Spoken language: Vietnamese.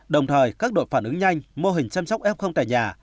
đồng thời các đội phản ứng nhanh mô hình chăm sóc f tại nhà